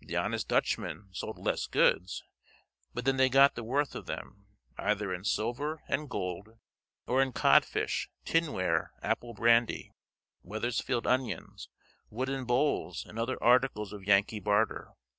The honest Dutchman sold less goods; but then they got the worth of them, either in silver and gold, or in codfish, tinware, apple brandy, Weathersfield onions, wooden bowls, and other articles of Yankee barter.